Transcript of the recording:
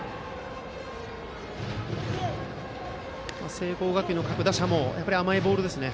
聖光学院の各打者も甘いボールですね。